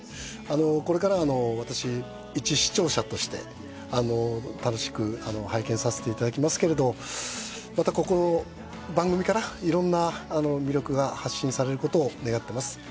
これからは私いち視聴者として楽しく拝見させていただきますけれどまたここの番組からいろんな魅力が発信されることを願ってます。